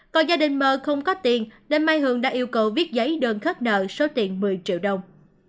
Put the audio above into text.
còn gia đình m không có tiền nên mai hương đã yêu cầu viết giấy đơn khắc nợ số tiền một mươi triệu đồng